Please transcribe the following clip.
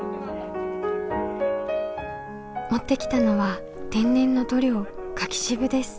持ってきたのは天然の塗料柿渋です。